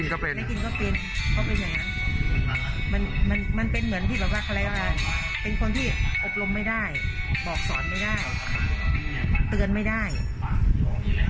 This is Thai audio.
เตือนไม่ได้คนอย่างงี้เลยนะเตือนไม่ได้อบรมไม่ได้สั่งสอนไม่ได้เนี่ยไม่ได้เลย